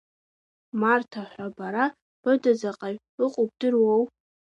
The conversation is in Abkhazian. Марҭа ҳәа бара быда заҟаҩ ыҟоу, бдыруоу?